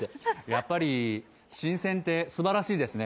やっぱり新鮮ってすばらしいですね。